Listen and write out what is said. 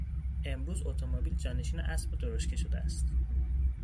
امروز اتومبیل جانشین اسب و درشگه شده است.